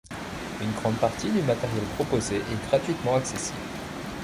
Une grande partie du matériel proposé est gratuitement accessible.